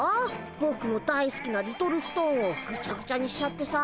ぼくの大好きなリトルストーンをグチャグチャにしちゃってさ。